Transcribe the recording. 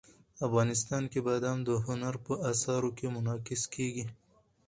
افغانستان کې بادام د هنر په اثار کې منعکس کېږي.